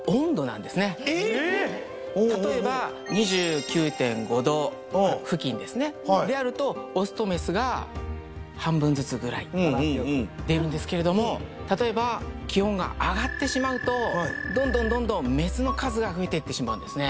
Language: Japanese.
例えば２９．５℃付近ですねであるとオスとメスが半分ずつぐらい出るんですけれども例えば気温が上がってしまうとどんどんどんどんメスの数が増えていってしまうんですね